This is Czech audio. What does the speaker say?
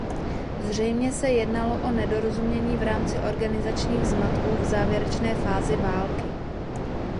Zřejmě se jednalo o nedorozumění v rámci organizačních zmatků v závěrečné fázi války.